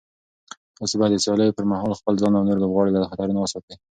تاسو باید د سیالیو پر مهال خپل ځان او نور لوبغاړي له خطرونو وساتئ.